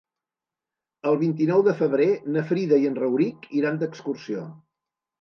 El vint-i-nou de febrer na Frida i en Rauric iran d'excursió.